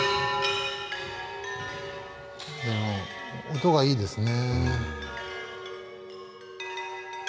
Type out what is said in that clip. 音がいいですね。